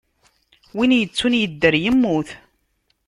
Win yettun, yedder yemmut.